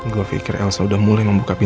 gue pikir elisa udah mulai membuka pintu hati